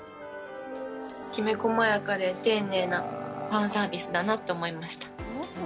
きめ細やかで丁寧なファンサービスだなって思いました。